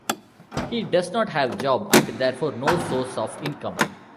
He does not have job and, therefore, no source of income.